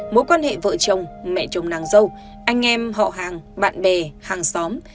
mối quan hệ vợ chồng mẹ chồng nàng dâu anh em họ hàng bạn bè hàng xóm